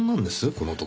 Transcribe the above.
この男。